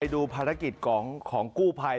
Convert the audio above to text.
ดูภารกิจของกู้ภัย